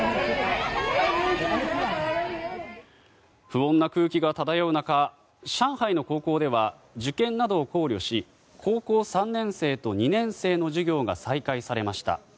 不穏な空気が漂う中上海の高校では受験などを考慮し高校３年生と２年生の授業が再開されました。